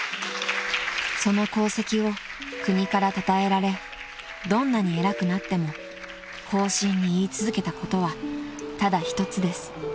［その功績を国からたたえられどんなに偉くなっても後進に言い続けたことはただ一つです］